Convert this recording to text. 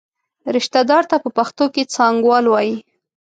رشته دار ته په پښتو کې څانګوال وایي.